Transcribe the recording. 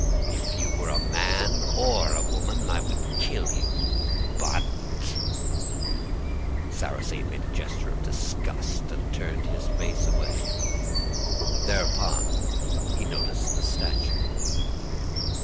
If you were a man or a woman, I would kill you, but ' "Sarrasine made a gesture of disgust, and turned his face away; thereupon he noticed the statue.